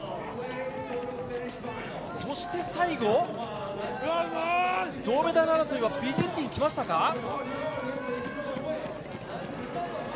そして、最後、銅メダル争いはビジンティンが来ましたか。